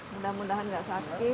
mudah mudahan tidak sakit